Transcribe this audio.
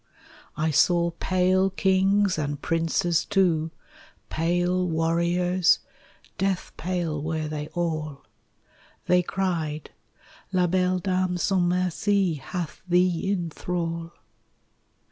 I saw pale kings and princes too, Pale warriors, death pale were they all: They cried "La belle dame sans merci Hath thee in thrall!"